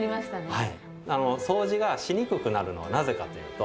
はい。